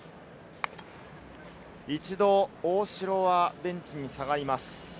一度、大城はベンチに下がります。